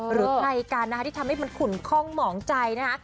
หรือใครกันนะคะที่ทำให้มันขุนคล่องหมองใจนะคะ